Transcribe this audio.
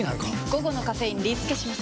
午後のカフェインリスケします！